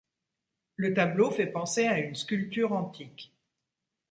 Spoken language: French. Le tableau fait penser à une sculpture antique.